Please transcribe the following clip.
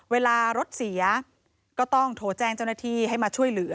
เวลารถเสียก็ต้องโทรแจ้งเจ้าหน้าที่ให้มาช่วยเหลือ